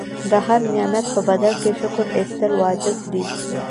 د هر نعمت په بدل کې شکر ایستل واجب دي.